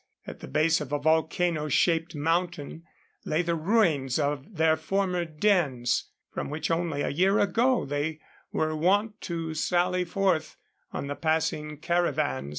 At the base of a volcano shaped mountain lay the ruins of their former dens, from which only a year ago they were wont to sally forth on the passing caravans.